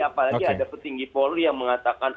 apalagi ada petinggi polri yang mengatakan